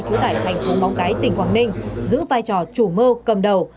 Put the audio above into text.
trú cải thành phố bóng cái tỉnh quảng ninh giữ vai trò chủ mơ cầm đầu